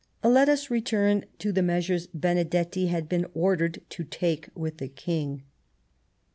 Let us return to the measures Benedetti had been ordered to take with the King.